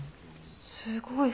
すごい。